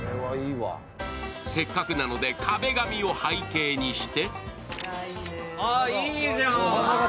せっかくなので壁紙を背景にしてああ、いいじゃん。